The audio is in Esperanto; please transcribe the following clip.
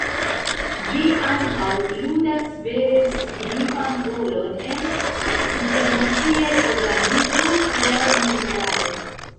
Ĝi ankaŭ ludas vere signifan rolon en internaciaj organizoj por la junularo.